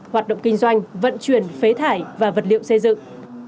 hoạt động kinh doanh vận chuyển phế thải và vật liệu xây dựng